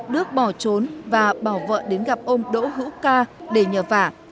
đức bỏ trốn và bảo vợ đến gặp ông đỗ hữu ca để nhờ vả